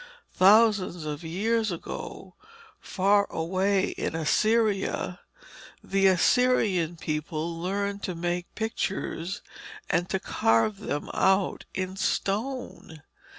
Thousands of years ago, far away in Assyria, the Assyrian people learned to make pictures and to carve them out in stone.